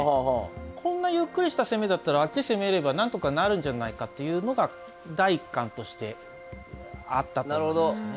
こんなゆっくりした攻めだったらあっち攻めればなんとかなるんじゃないかというのが第一感としてあったと思いますね。